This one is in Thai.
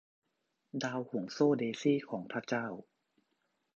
ดาวห่วงโซ่เดซี่ของพระเจ้า